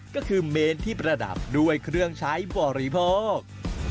ก็คือเมนที่ประดับด้วยเครื่องใช้บริโภค